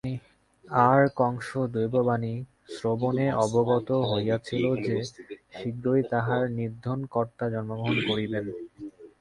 আর কংস দৈববাণী-শ্রবণে অবগত হইয়াছিল যে, শীঘ্রই তাহার নিধনকর্তা জন্মগ্রহণ করিবেন।